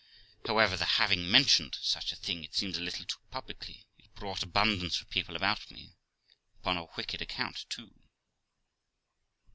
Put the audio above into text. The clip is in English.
However, the having mentioned such a thing, it seems a little too publicly, it brought abundance of people about me, upon a wicked account too.